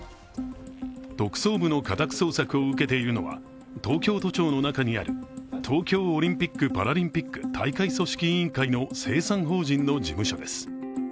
特捜部の家宅捜索を受けているのは東京都庁の中にある東京オリンピック・パラリンピック大会組織委員会の清算法人の事務所です。